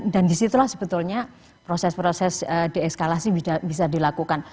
dan disitulah sebetulnya proses proses deeskalasi bisa dilakukan